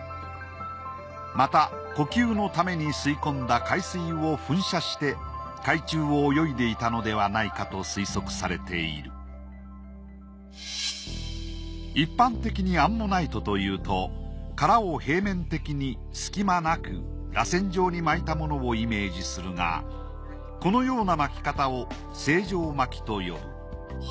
また呼吸のために吸い込んだ海水を噴射して海中を泳いでいたのではないかと推測されている一般的にアンモナイトというと殻を平面的に隙間なくらせん状に巻いたものをイメージするがこのような巻き方を正常巻きと呼ぶ。